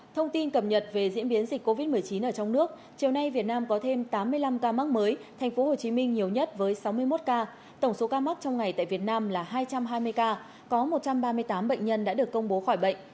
thông tin cập nhật về diễn biến dịch covid một mươi chín ở trong nước chiều nay việt nam có thêm tám mươi năm ca mắc mới tp hcm nhiều nhất với sáu mươi một ca tổng số ca mắc trong ngày tại việt nam là hai trăm hai mươi ca có một trăm ba mươi tám bệnh nhân đã được công bố khỏi bệnh